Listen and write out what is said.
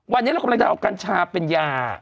วันนี้เรากำลังจะเอากัญชาเป็นยา